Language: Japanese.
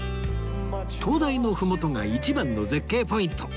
灯台の麓が一番の絶景ポイント